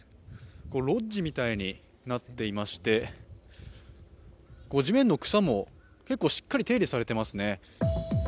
ロッジみたいになっていまして、地面の草も結構手入れされていますね。